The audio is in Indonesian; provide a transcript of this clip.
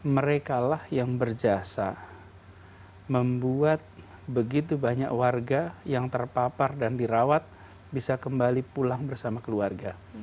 mereka lah yang berjasa membuat begitu banyak warga yang terpapar dan dirawat bisa kembali pulang bersama keluarga